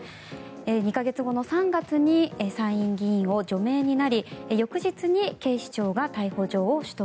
２か月後の３月に参院議員を除名になり翌日に警視庁が逮捕状を取得。